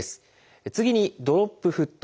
次にドロップフット。